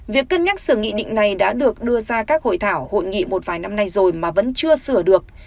việc cân nhắc sửa nghị định này đã được đưa ra các hội thảo hội nghị một vài năm nay rồi mà vẫn chưa sửa được